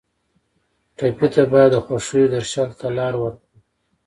ټپي ته باید د خوښیو درشل ته لار ورکړو.